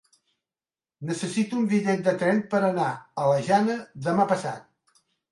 Necessito un bitllet de tren per anar a la Jana demà passat.